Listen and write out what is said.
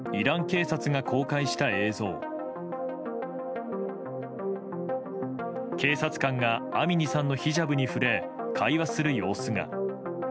警察官がアミニさんのヒジャブに触れ会話する様子が。